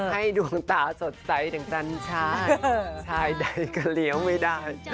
ให้ดวงตาสดใจถึงจันทรายจันทรายใดก็เลี้ยวไม่ได้